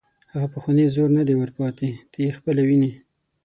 هغه پخوانی زور نه دی ور پاتې، ته یې خپله ویني.